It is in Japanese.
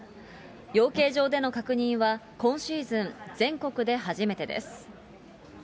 養鶏場での確認は、今シーズン、全国で初めてです。